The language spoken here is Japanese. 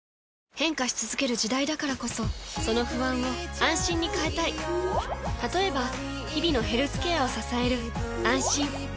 変化し続ける時代だからこそその不安を「あんしん」に変えたい例えば日々のヘルスケアを支える「あんしん」